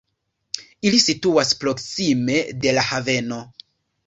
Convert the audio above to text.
Ili situas proksime de la haveno.